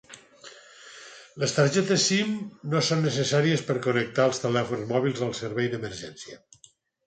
Les targetes SIM no són necessàries per connectar els telèfons mòbils als serveis d'emergència.